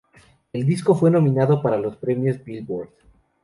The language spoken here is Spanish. El disco fue nominado para los Premios Billboard.